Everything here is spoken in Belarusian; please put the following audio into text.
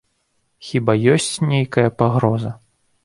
Хіба ёсць нейкая пагроза?